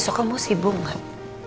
besok kamu sibuk gak